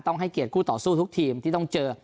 ให้เกียรติคู่ต่อสู้ทุกทีมที่ต้องเจอ